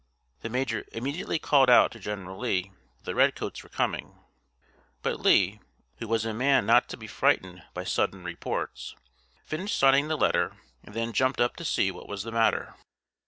The major immediately called out to General Lee that the redcoats were coming; but Lee, who was a man not to be frightened by sudden reports, finished signing the letter, and then jumped up to see what was the matter.